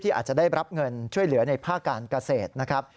อาจจะได้รับเงินช่วยเหลือในภาคการเกษตรนะครับ